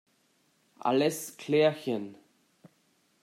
Alles klärchen!